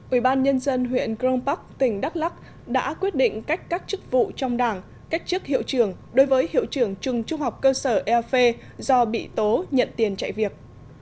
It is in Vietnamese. ủy ban nhân dân huyện crong park tỉnh đắk lắc đã quyết định cách cắt chức vụ trong đảng cách chức hiệu trưởng đối với hiệu trưởng trường trung học cơ sở lv do bị tố nhận tiền chạy việc